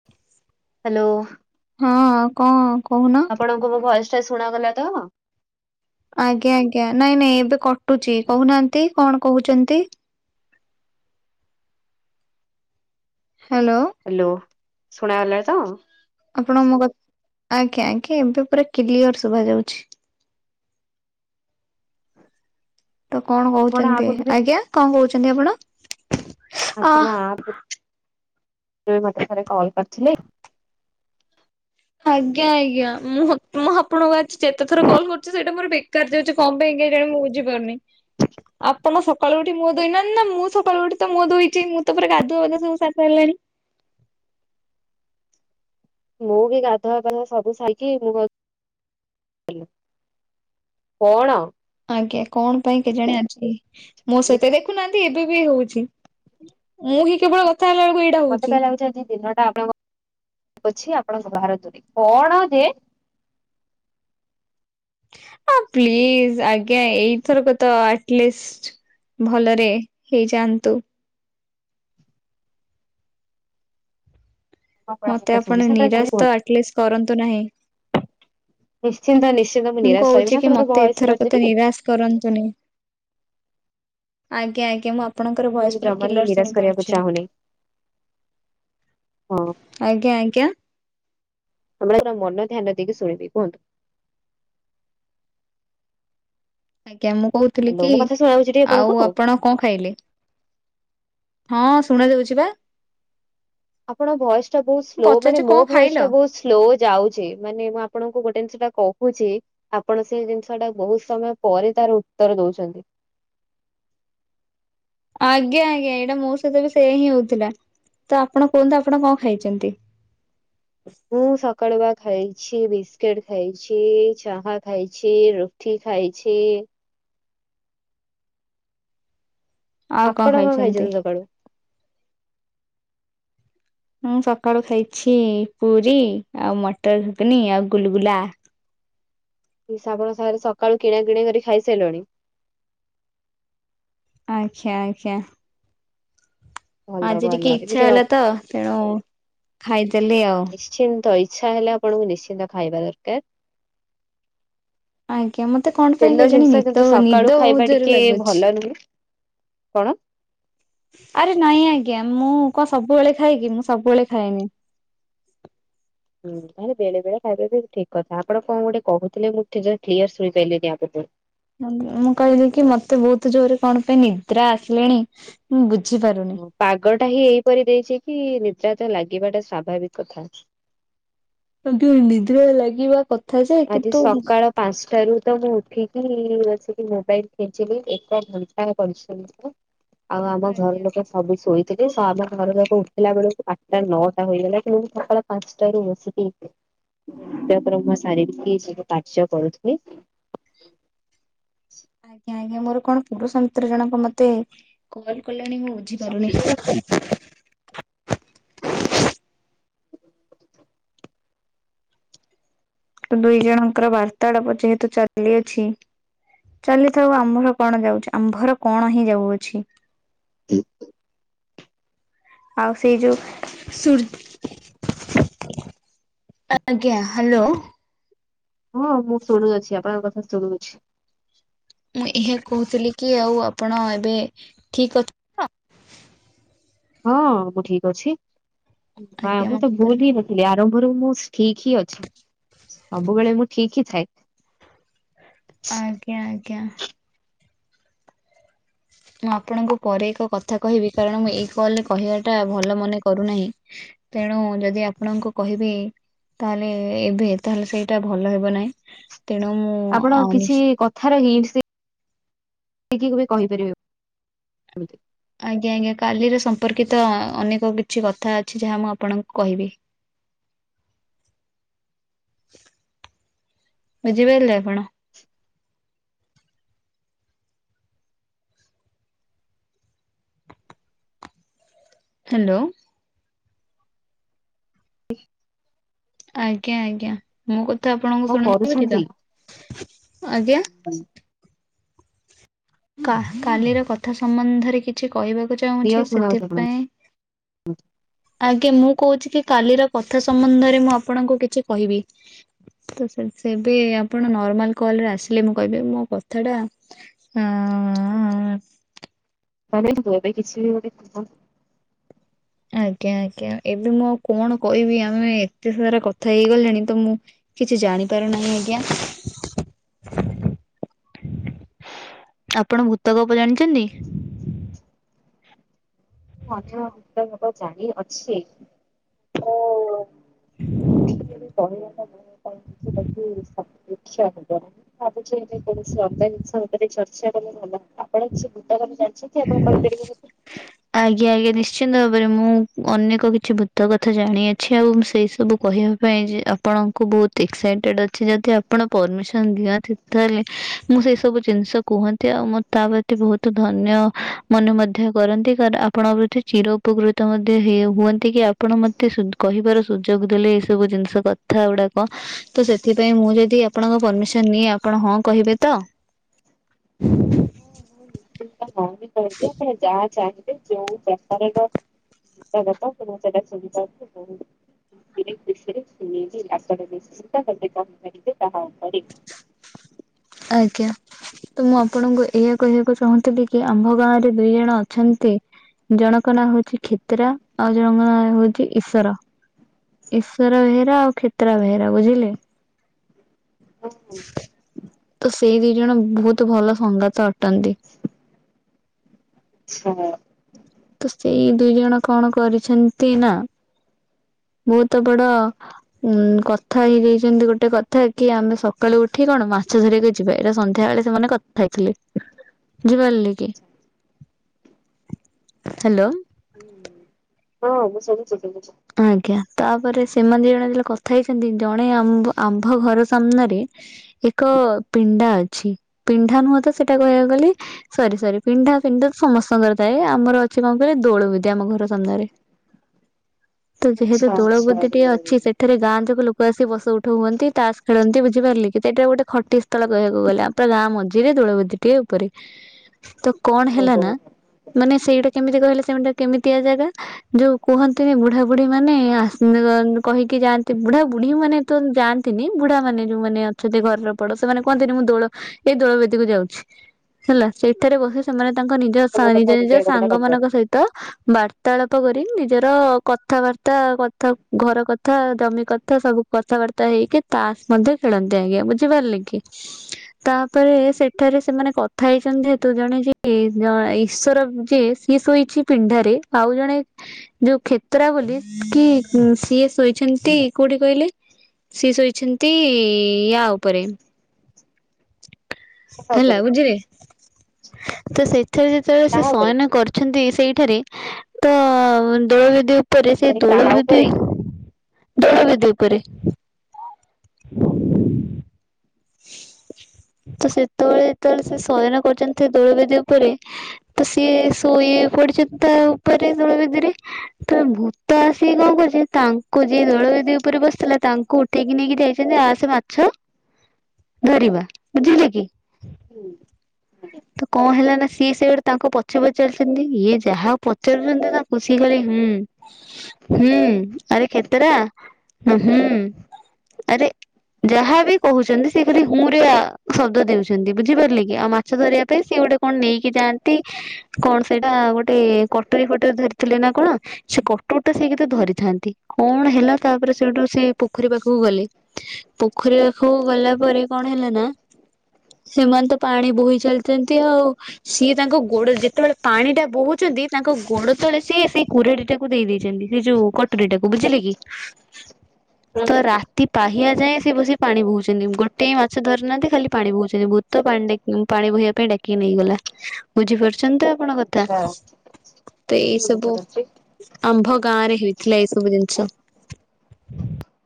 [inaudible] Hello. ହଁ କଅ ଆପଣଙ୍କୁ ମୋ ଭଏସ୍ ଟା ଶୁଣାଗଲା ତ? ଆଜ୍ଞା ଆଜ୍ଞା ନାଇଁ ନାଇଁ ଏବେ କଟୁଛି। କହୁନାହାନ୍ତି କଣ କହୁଛନ୍ତି? ହ୍ୟାଲୋ। ହ୍ୟାଲୋ। ଶୁଣାଗଲା ତ। ଆପଣଙ୍କୁ ମୋ କ-ଆଜ୍ଞା ଆଜ୍ଞା ଏବେ ପୁରା କ୍ଲିଅର ଶୁଭା ଯାଉଛି। ତ କଣ ଆପଣ ଆ କହୁଛନ୍ତି? ପୂର୍ବ ଆଜ୍ଞା କଣ କହୁଛନ୍ତି ଆପଣ? ଅ ଆପଣ ଆ ପୂ - ମତେ ଥରେ କଲ୍ କରିଥିଲେ ଆଜ୍ଞା ଆଜ୍ଞା ମୁଁ ମୁଁ ଆପଣଙ୍କୁ ଆଜି ଯେତେ ଥର କଲ୍ କରୁଛି ସେଇଟା ମୋର ବେକାର ଯାଉଛି କଣ ପାଇଁ କେହି ଜାଣି ମୁଁ ବୁଝିପାରୁନି ଆପଣ ସକାଳୁ ଉଠି ମୁହଁ ଦଇ ନା ନା ମୁଁ ସକାଳୁ ଉଠି ତ ମୋ ଦୋଇଛି ମୁଁ ତପରେ ଗାଧୁଆବାଧା ସବୁ ସାରି ସାରିସାଇଲିଣି ମୁଁ ବି ଗାଧୁଆ ପାଧୁଆ ସବୁ ସାଇକି ମୁଁ [unintelligible] କଣ? ଆଜ୍ଞା କଣ ପାଇଁ କେଜଣେ ଅଛି ମୋ ସହିତ ଦେଖୁନାହାନ୍ତି ଏବେ ବି ହଉଛି ମୁଁ ହି କେବଳ କଥା ହେଲା ବଳକୁ କହିି ମତେ କାହିଁ ଲାଗୁଛି ଆଜି ଦିନ ଟା ଆପଣଙ୍କ ଅଛି ଆପଣଙ୍କ ବାହାର ନ୍ତୁନି କଣ ଯେ ହଁ ପ୍ଲିଜ ଆଜ୍ଞା ଏଇଥରକ ତ ଆଟଲିଷ୍ଟ ଭଲରେ ହେଇଯାଆନ୍ତୁ ଆପଣ ମତେ କଥା ଶୁଣି ଆପଣ ସେତେବେଳେ ଚାଲି ନିରାଶ ତ କୁହନ୍ତୁ ଆଟଲିଷ୍ଟ କରନ୍ତୁ ନାହିଁ ନିଶ୍ଚିନ୍ତ ନିଶ୍ଚ ମୁଁ କହୁଛି କି ମତେ ଏଥରୋତେ ନିରାଶ କରନ୍ତୁନି ଆଜ୍ଞା ଆଜ୍ଞା ମୁ ଆପ୍ ଆପଣଙ୍କର ଆପଣଙ୍କୁ ବୟସ ପୁର ଜମାରୁ ବି କିଲର ନିରାଶ କରିବାକୁ ଶୁଣିପାରୁଛି ଚାହୁଁନି ହଁ ଆଜ୍ଞା ଆଜ୍ଞା ତ [unintelligible] ମନ ଧ୍ୟାନ ଦେଇକି ଶୁଣିବି କୁହନ୍ତୁ ଆଜ୍ଞା ମୁଁ କହୁଥିଲି ହ୍ୟାଲୋ କି ମୋ କଥା ଶୁଣାଯାଉଛି ଟି ଆଉ ଆପଣଙ୍କୁ? ଆପଣ କଣ ଖାଇଲେ? ହଁ ଶୁଣା ଦଉଛି ବା ଆପଣ ଭଏସ ଟା ବହୁତ ମୁଁ ସ୍ଲୋ ମାନେ ପଚାରୁଛି ମୋ କଣ ଖାଇଲ? ଭଏସ ଟା ବହୁତ ସ୍ଲୋ ଯାଉଛି ମାନେ ମୁଁ ଆପଣଙ୍କୁ ଗୋଟେ ଜିନିଷଟା କହୁଛି ଆପଣ ସେ ଜିନିଷ ଟା ବହୁତ ସମୟ ପରେ ତାର ଉତ୍ତର ଦଉଛନ୍ତି ଆଜ୍ଞା ଆଜ୍ଞା ଏଇଟା ମୋ ସହିତ ବି ସେ ହିଁ ହଉଥିଲା ତ ଆପଣ କୁହନ୍ତୁ ଆପଣ କଣ ଖାଇଛନ୍ତି? ମୁଁ ସକାଳୁ ବା ଖାଇଛି ବିସ୍କୁିଟ ଖାଇଛି ଚାହା ଖାଇଛି ର ଠି ଖାଇଛି ଆପଣ କଣ ଖାଇଛନ୍ତି ସକାଳୁ? ମୁଁ ସକାଳୁ ଖାଇଛି ପୁରୀ ଆଉ ମଟର ଘୁଗୁନି ଆଉ ଗୁଲଗୁଲା ଏ ଶ୍ରାବଣ ସା ସକାଳୁ କିଣା କିଣା କରି ଖାଇସାରିଲୁଣି ଆଛା ଆଜ୍ଞା ଭଲ ଆଜି ଭଲ ଟିକେ ଏମିତି ଇଚଛା ର ହେଲା ତ ତେଣୁ ଖାଇଦେଲେ ଆଉ ନିଶ୍ଚିନ୍ତ ଇଚ୍ଛା ହେଲେ ଆପଣଙ୍କୁ ନିଶ୍ଚିନ୍ତ ଖାଇବା ଦରକାର ଆଜ୍ଞା ମତେ କଣ ପାଇଁ ତେଲ କେଜାଣି ଜିନିଷ ନିଦ କିନ୍ତୁ ନିଦ ସକାଳୁ ବହୁତ ଖାଇବା ଜୋରରେ ଟିକେ ଲାଗୁଛି। ଭଲ ନୁହଁ କଣ? ଆରେ ନାଇଁ ଆଜ୍ଞା ମୁଁ କଣ ସବୁବେଳେ ଖାଇକି ମୁଁ ସବୁବେଳେ ଖାଏନି ହୁଁ ତାହେଲେ ବେଳେ ବେଳେ ଖାଇବେ ବି ଠିକ କଥା ଆପଣ କଣ ଗୋଟେ କହୁଥିଲେ ମୁଁଠ କ୍ଲିୟର ଶୁଣିପାରଲିି ଆଗକୁ ମୁଁ କହିଲି କି ମତେ ବହୁତ ଜୋରରେ କଣ ପାଇଁ ନିଦ୍ରା ଆସିଲେଣି ମୁଁ ବୁଝିପାରୁନି ପାଗ ଟା ହିଁ ଏଇପରି ଦେଇଛି କି ନିଦ୍ର ତ ଲାଗିବାଟା ସଵାଭାବିକ କଥା ଆଜ୍ଞା ନିଦ୍ର ଲାଗିବା କ ଆଜି ସକାଳ ପାଞ୍ଚଟାରୁ ତ ମୁଁ ଉଠିକି ବସିକି ମୋବାଇଲ ଖେଞ୍ଚିଲି ଏକ ଘଣ୍ଟା କରିି [unintelligible] ଆଉ ଆମ ଘର ଆଜ୍ଞା ଲୋକ ସବୁ ଶୋଇଥିଲେ ଆମ ଘର ଯାକ ଉଠିଲା ବେଳକୁ ଆଠଟା ନଅଟା ହୋଇଗଲା କିନ୍ତୁ ମୁଁ ସକାଳ ପାଞ୍ଚଟାରୁ ବସିକି [inaudible] ପ୍ରମ ସାରିକି ସବୁ କାର୍ଯ୍ୟ କରୁଥି ଆଜ୍ଞା ଆଜ୍ଞା ମୋର କଣ ପୁରୁଷ ମିତ୍ର ଜଣକ ମତେ କଲ କଲେଣି ମୁଁ ବୁଝିପାରୁନି ତ ଦୁଇ ଜଣଙ୍କର ବାର୍ତାଳାପ ଯେହେତୁ ଚାଲିଅଛି। ଚାଲିଥାଉ ଆମ୍ଭର କଣ ଯାଉଛି ଆମ୍ଭର କଣ ହିଁ ଯାଉଅଛି? ହୁଁ। ଆଉ ସେଇ ଯୋଉ ସୁର୍ ଆଜ୍ଞା ହ୍ୟାଲୋ। ହଁ ମୁଁ ଶୁଣୁଅଛି ଆପଣଙ୍କ କଥା ଶୁଣୁଛି। ମୁଁ ଏହା କହୁଥିଲି କି ଆଉ ଆପଣ ଏବେ ଠିକ୍ ଅ ହଁ ମୁଁ ଠିକ ଅଛି ଆଜ୍ଞା ମୁଁ ତ ମତେ ଭୁଲ ହି ନଥିଲି ଆରମ୍ଭରୁ ମୁଁ ଠିକ ହିଁ ଅଛି ସବୁବେଳେ ମୁଁ ଠିକ ହିଁ ଥାଏ। ଆଜ୍ଞା ଆଜ୍ଞା। ମୁଁ ଆପଣଙ୍କୁ ପରେ ଏକ କଥା କହିବି କାରଣ ମୁଁ ଏଇ କଲରେ କହିବାଟା ଭଲ ମନେ କରୁନାହିଁ। ତେଣୁ ଯଦି ଆପଣଙ୍କୁ କହିବି ତାହେଲେ ଏବେ ତାହେଲେ ସେଇଟା ଭଲ ହେବ ନାହିଁ ତେଣୁ ମୁଁ ଆଉ [inaudible] କେ କହିପାରିବେ। ଆଜ୍ଞା ଆଜ୍ଞା କାଲିରେ ସମ୍ପର୍କିତ ଅନେକ କିଛି କଥା ଅଛି ଯାହା ମୁଁ ଆପଣଙ୍କୁ କହିବି। ବୁଝିପାଇଲେ ଆପଣ? ହ୍ୟାଲୋ। ହ ଆଜ୍ଞା ଆଜ୍ଞା ମୋ କଥା ଆପଣଙ୍କୁ କଣ ଶୁଣାଯାଉଛି କରୁଛନ୍ତି? ତ ଆଜ୍ଞା। କାଲିର କଥା ସମ୍ବନ୍ଧରେ କିଛି କହିବାକୁ ଚାହୁଁଛି ସେଥିପାଇଁ ହୁଁ। ଆଜ୍ଞା ମୁଁ କହୁଛି କି କାଲିର କଥା ସମ୍ବନ୍ଧରେ ମୁଁ ଆପଣଙ୍କୁ କିଛି କହିବି? ତ ସେ ସେବେ ଆପଣ ନର୍ମାଲ କଲ୍ ରେ ଆସିଲେ ମୁଁ କହିବି ମୋ କଥାଟା। ହୁଁ ହୁଁ। ମାନେ ଏବେ କିଛି ଗୋଟେ ଆଜ୍ଞା ଆଜ୍ଞା ଏବେ ମୁଁ କଣ କହିବି ଆମେ ଏତେ ସାରା କଥା ହେଇଗଲେଣି ତ ମୁଁ କିଛି ଜାଣିପାରୁନାହିଁ ଆଜ୍ଞା। ଆପଣ ଭୂତ ଗପ ଜାଣିଛନ୍ତି? ଅନ୍ୟବା ଜାଣି ଅଛି ଓ [inaudible] ଭାବୁଛ ଏ କୌଣସି ଅନ୍ଧ ଜିନିଷ ଭିତରେ ଚର୍ଚ୍ଚା କଲା ଆପଣ କିଛି ଭୂତ ଗପ ଜାଣି କେ କହିଦ ଆପଣ କହିପାରିବେ ଯଦି ଆଜ୍ଞା ଆଜ୍ଞା ନିଶ୍ଚିନ୍ତ ଭାବରେ ମୁଁ ଅନେକ କିଛି ଭୂତ କଥା ଜାଣିଅଛି ଆଉ ସେଇ ସବୁ କହିବା ଥି ପାଇଁ ଆପଣଙ୍କୁ ବହୁତ ଏକ୍ସାଇଟେଡ ଅଛି ଯଦି ଆପଣ ପରମିସନ ଦିଅନ୍ତି। ତାହେଲେ ମୁଁ ସେଇ ସବୁ ଜିନିଷ କୁହନ୍ତି ଆଉ ମୁଁ ତା ପ୍ରତି ବହୁତ ଧନ୍ୟ ମନେ ମଧ୍ୟ କରନ୍ତି। ସାର୍ ଆପଣଙ୍କ ପ୍ରତି ଚିର ଉପକୃତ ମଧ୍ୟ ହୁଅନ୍ତି କି ଆପଣ ମତେ କହିବାର ସୁଯୋଗ ଦେଲେ ଏଇ ସବୁ ଜିନିଷ କଥା ଗୁଡାକ। ତ ସେଥିପାଇଁ ମୁଁ ଯଦି ଆପଣଙ୍କ ପରମିସନ ନିଏ ଆପଣ ହଁ କହିବେ ତ? ମୁ ନିଶ୍ଚିନ୍ତ ହଉନି କହିବି ଆପଣ ଯାହା ଚାହିଁବେ ଯୋଉ ପ୍ରକାରର [unintelligible] [unintelligible] ଚିତା କ କରି ତାହା ଉପରେ ଆଜ୍ଞା। ତ ମୁଁ ଆପଣଙ୍କୁ ଏଇଆ କହିବାକୁ ଚାହୁଁଥିଲି କି ଆମ୍ଭ ଗାଁ ରେ ଦୁଇ ଜଣ ଅଛନ୍ତି। ଜଣଙ୍କ ନାଁ ହଉଛି କ୍ଷେତ୍ରା ଆଉ ଜଣଙ୍କ ନାଁ ହଉଛି ଈଶ୍ୱର। ଈଶ୍ୱର ବେହେରା ଆଉ କ୍ଷେତ୍ରା ବେହେରା ବୁଝିଲେ। ଓ ହ ତ [unintelligible] ସେଇ ଦିଇ ଜଣ ବହୁତ ଭଲ ସଙ୍ଗାତ ଅଟନ୍ତି। ହଁ ତ ସେଇ ଦୁଇ ଜଣ କଣ କରିଛନ୍ତି ନା ବହୁତ ବଡ଼ ଉଁ କଥା ହେଇଯାଇଛନ୍ତି ଗୋଟେ କଥା କି ଆମେ ସକାଳୁ ଉଠି କଣ ମାଛ ଧରି ଯିବା ଏଇଟା ସନ୍ଧ୍ୟା ବେଳେ ସେମାନେ କଥା ହେଇଥିଲେ ବଝିପାରିଲି କି? ହ୍ୟାଲୋ ହୁଁ ହଁ ମୁଁ ଶୁଣିଛି ଶୁବୁଛି। ଆଜ୍ଞା ତାପରେ ସେମାନେ ଦୁଇଜଣ ଯେତେବେଳେ କଥା ହେଇଛନ୍ତି ଜଣେ ଆମ୍ ଆମ୍ଭ ଘର ସାମ୍ନାରେ। ଏକ ପିଣ୍ଡା ଅଛି ପିଣ୍ଡା ନୁହଁ ତ ସେଇଟା କହିବାକୁ ଗଲେ ସରି ସରି ପିଣ୍ଢା ପିଣ୍ଢା ସମସ୍ତଙ୍କର ଥାଏ ଆମର ଅଛି କଣ କହିଲେ ଦୋଳବେଦୀ ଆମ ଘର ସାମ୍ନାରେ। ତ ଯେହେତୁ ଆଚ୍ଛା ଆଚ୍ଛା ଦୋଳବେଦିଟିଏ ଅଛି ସେଠ ସେଠାରେ ଗାଁ ଯାକ ଲୋକ ଆସି ବସ ଉଠ ହୁଅନ୍ତି ତାସ ଖେଳନ୍ତି ବୁଝି ପାରିଲି କି ଏଇଟା ଗୋଟେ ଖଟି ତଳ କହିବାକୁ ଗଲେ ପୁରା ଗାଁ ମଝିରେ ଦୋଳବଦିଟିଏ ଉପରେ ତ କଣ ହେଲା ଓହୋ। ନା ମାନେ ସେଇଟା କେମିତି କହିଲେ ସେମ କେମିତିଆ ଜାଗା ଯୋଉ କୁହନ୍ତି ବୁଢ଼ା ବୁଢ଼ୀ ମାନେ ଆସି କହିକି ଯାନ୍ତି ବୁଢା ବୁଢୀ ମାନେ ତ ଯାଆନ୍ତି ନି ବୁଢାମାନେ ଯୋଉମାନେ ଅଛନ୍ତି ଘରର ବଡ ସେମାନେ କୁହନ୍ତିନି ମୁଁ ଦୋଳ ଏଇ ଦୋଳବେଦୀକୁ ଯାଉଛି। ହେଲା ସେଇଠାରେ ବସି ସେମାନେ ତାଙ୍କ ନିଜ ଆପଣଙ୍କ କଥା ନିଜ ହୃଦୟ ଗମନ ସାଙ୍ଗ ମାନଙ୍କ କରିପାରୁଚି ସହିତ ବାର୍ତ୍ତାଳାପ କରି ନିଜ ର କଥାବାର୍ତ୍ତା କଥା ଘର କଥା ଜମି କଥା ସବୁ କଥାବାର୍ତ୍ତା ହେଇକି ତାସ ମଧ୍ୟ ଖେଳନ୍ତି ଆଜ୍ଞା ବୁଝିପାରିଲେ କି ତାପରେ ସେଠାରେ ସେମାନେ ଥାଇଛନ୍ତି ଯେହତୁ ଜଣେ ଯିଏ ଈଶ୍ଵର ଯିଏ ସିଏ ଶୋଇଛି ପିଣ୍ଡାରେ ଆଉ ଜଣେ ଯୋଉ କ୍ଷେତ୍ରା ବୋଲି କି ସିଏ ଶୋଇଛନ୍ତି କୋଉଠି କହିଲେ ସିଏ ଶୋଇଛନ୍ତି ୟା ଉପରେ କାହା ହେଲା ଉପରେ ବୁଝିଲେ ତ ସେଥିରେ ଯେତେବେଳେ ସେ କାହା ଉପରେ ଶୟନ କରି ଛନ୍ତି ସେଇଠାରେ ତ ଦୋଳବେଦୀ ଉପରେ ସେ ଆରେ କାହା ଦୋଳବେଦୀ ଉପରେ? ଦୋଳବେଦୀ ଉପରେ [inaudible] ତ ସେତେବେଳେ ଯେତେବେଳେ ସେ ଶୟନ କରୁଛନ୍ତି ସେ ଦୋଳ ବେଦୀ ଉପରେ ତ ସିଏ ଶୋଇ ଇଏ ପଡିଛନ୍ତି ତା ଉପରେ ଦୋଳବେଦୀରେ ତ ଭୂତ ଆସିକି କଣ କରୁଛି ତାଙ୍କୁ ଯିଏ ଦୋଳବେଦି ଉପରେ ବସିଥିଲା ତାଙ୍କୁ ଉଠ ଏକି ନେଇକି ଯାଇଛନ୍ତି ଆସ ମାଛ ଧରିବା ବୁଝିଲେ କି? ହୁଁ ହୁଁ ହୁଁ ତ କଣ ହେଲା ନା ସିଏ ସେଆଡୁ ତାଙ୍କୁ ପଛେପଛେ ଚାଲୁଛନ୍ତି ଇଏ ଯାହା ପଚାରୁଛନ୍ତି ତାଙ୍କୁ ସିଏ କଲେ ହୁଁ ହୁଁ ଆରେ କ୍ଷେତରା ହୁଁ ଆରେ ଯାହା ବି କହୁଛନ୍ତି ସେ ଖାଲି ହୁଁ ରେ ଶବ୍ଦ ଦେଉଛନ୍ତି ବୁଝିପାରିଲେ କି ଆ ମା ମାଛ ଧରିବା ପାଇଁ ସିଏ ଗୋଟେ କଣ ନେଇକି ଯାଆନ୍ତି କଣ ସେଇଟା ଗୋଟେ କଟୁରୀ ଫଟୁରୀ ଧରିଥିଲେ ନା କଣ ସେ କଟୁରୀଟା ସେ କିନ୍ତୁ ଧରିଥାନ୍ତି କଣ ହେଲା ତାପରେ ସେଠୁ ସେ ପୋଖରୀ ପାଖକୁ ଗଲେ। ପୋଖରୀ ପାଖକୁ ଗଲା ପରେ କଣ ହେଲା ନା ସେମାନେ ତ ପାଣି ବୋହି ଚାଲିଛନ୍ତି ଆଉ। ସିଏ ତାଙ୍କ ଗୋଡରେ ଯେତେବେଳେ ପାଣିଟା ବୋହୁଛନ୍ତି ତାଙ୍କ ଗୋଡ ତଳେ ସିଏ ଆସି କୁରାଢିଟା କୁ ଦେଇଛନ୍ତି ସେ ଯୋଉ କଟୁରୀଟାକୁ ବୁଝିଲେ କି ତ ହୁଁ ରାତି ପାହଆ ଯାଏଁ ସେ ବସି ପାଣି ବୋହୁଛନ୍ତି ଗୋଟେ ମାଛ ଧରିନାହାନ୍ତି ଖାଲି ପାଣି ବୋହୁଛନ୍ତି ଭୂତ ପାଣିଟା ପାଣି ବୋହିବା ପାଇଁ ଡାକି ନେଇଗଲା ବୁଝିପାରୁଛନ୍ତି ତ କଣ କଥା ଆଚ୍ଛା ତ ହୁଁ ଏଇ ସବୁ ବୁଝିପାରୁଚି ଆମ୍ଭ ଗାଁରେ ହେଇଥିଲା ଏଇସବୁ ଜିନିଷ।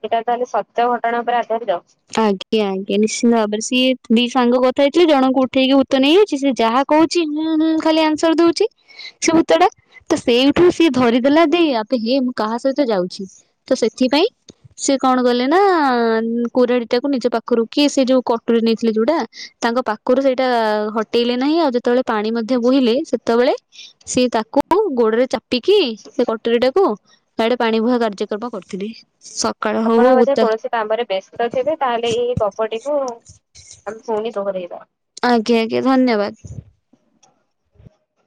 ଏଟା ତାହେଲେ ସତ୍ୟ ଘଟଣା ଉପରେ ଆଧାରିତ। ଆଜ୍ଞା ଆଜ୍ଞା ନିଶ୍ଚିନ୍ତ ଭାବରେ ସିଏ ଦି ସାଙ୍ଗ କଥା ହେଇଥିଲେ ଜଣଙ୍କୁ ଉଠେଇକି ଭୂତ ନେଇଯାଉଛି ସେ ଯାହା କହୁଛି ହୁଁ ହୁଁ ଖାଲି ଆନ୍ସର ଦଉଛି। ସେ ଭୁତଟା ତ ସେଇଠୁ ସିଏ ଧରିଦେଲା ଯେ ଆବେ ହେ ମୁଁ କାହା ସହିତ ଯାଉଛି। ତ ସେଥିପାଇଁ ସେ କଣ କଲେ ନା କୁରଢିଟାକୁ ନିଜ ପାଖରୁ କି ସେ ଯୋଉ କଟୁରି ନେଇଥିଲେ ଯୋଉଟା ତାଙ୍କ ପାଖରୁ ସେଇଟା ହଟେଇଲେ ନାହିଁ ଆଉ ଯେତେବେଳେ ପାଣି ମଧ୍ୟ ବୋହିଲେ ସେତେବେଳେ ସିଏ ତାକୁ ଗୋଡରେ ଚାପିକି ସେ କଟରୀଟାକୁ ସେଆଡେ ପାଣି ବୁହା କାର୍ଯ୍ୟକ୍ରମ କରିଥିଲି ସ ଆପଣଙ୍କ ଗଛ କୌଣସି କାମରେ ବ୍ୟସ୍ତ ଥିବେ ତାହେଲେ ଏଇ ଗପଟିକୁୁ ଆମେ ପୁଣି ଦୋହରେଇବା। ଆଜ୍ଞା ଆଜ୍ଞା ଧନ୍ୟବାଦ।